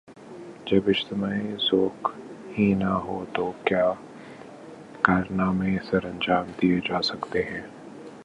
جب اجتماعی ذوق ہی نہ ہو تو کیا کارنامے سرانجام دئیے جا سکتے ہیں۔